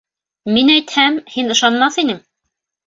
Мин әйтһәм, һин ышанмаҫ инең.